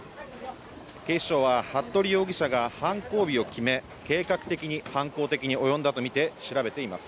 警視庁は服部容疑者が犯行日を決め、計画的に犯行におよんだとみて調べています。